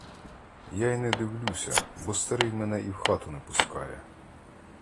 Я й не дивлюся, бо старий мене і в хату не пускає.